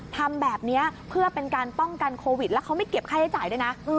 ทำแบบนี้เพื่อเป็นการป้องกันโควิดแล้วเขาไม่เก็บค่าใช้จ่ายด้วยนะ